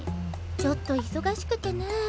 ちょっと忙しくてね。